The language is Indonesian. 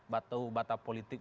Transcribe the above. batu batak politik